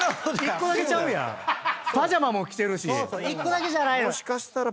１個だけじゃないのよ。